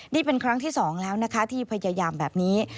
นี่เป็นครั้งที่๒แล้วนะคะที่พยายามแบบนี้